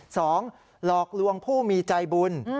หลอกลวงผู้มีใจบุญ